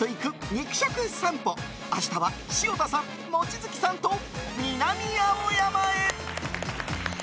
肉食さんぽ明日は潮田さん＆望月さんと南青山へ。